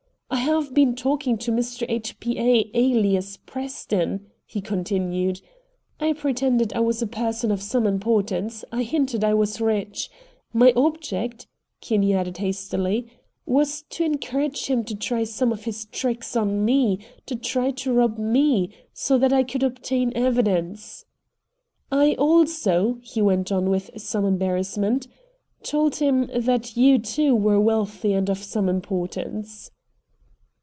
"I have been talking to Mr. H. P. A., ALIAS Preston," he continued. "I pretended I was a person of some importance. I hinted I was rich. My object," Kinney added hastily, "was to encourage him to try some of his tricks on ME; to try to rob ME; so that I could obtain evidence. I also," he went on, with some embarrassment, "told him that you, too, were wealthy and of some importance."